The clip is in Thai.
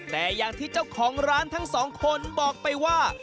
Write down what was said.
แต่อย่างที่เจ้าของร้านทั้งสองคนบอกไปว่า